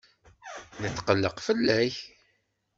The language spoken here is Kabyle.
Netqelleq fell-ak.